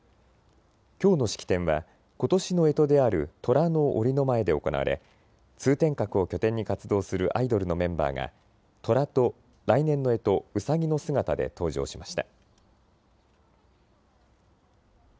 きょうの式典は、ことしのえとであるトラのおりの前で行われ通天閣を拠点に活動するアイドルのメンバーがトラと来年のえとウサギの姿で登場しました。